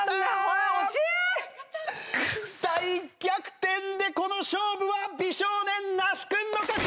大逆転でこの勝負は美少年那須君の勝ち！